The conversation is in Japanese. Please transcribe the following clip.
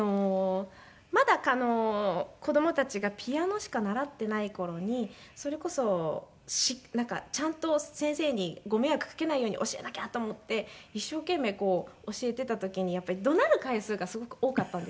まだ子供たちがピアノしか習っていない頃にそれこそちゃんと先生にご迷惑かけないように教えなきゃと思って一生懸命教えていた時にやっぱり怒鳴る回数がすごく多かったんですね。